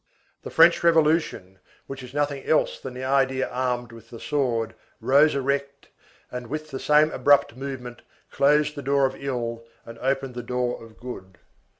The French Revolution, which is nothing else than the idea armed with the sword, rose erect, and, with the same abrupt movement, closed the door of ill and opened the door of good.